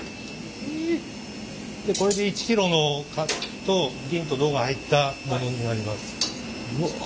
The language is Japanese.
これで１キロの銀と銅が入ったものになります。